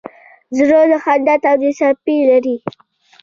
زړه د خندا تودې څپې لري.